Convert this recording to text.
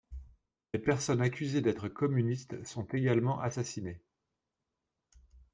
Des personnes accusées d'être communistes sont également assassinées.